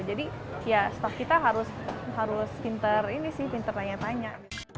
jadi ya staff kita harus harus pinter ini sih pinter tanya tanya